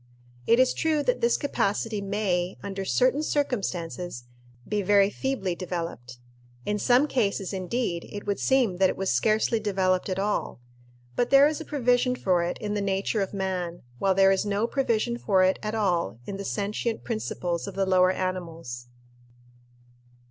It is true that this capacity may, under certain circumstances, be very feebly developed. In some cases, indeed, it would seem that it was scarcely developed at all; but there is a provision for it in the nature of man, while there is no provision for it at all in the sentient principles of the lower animals.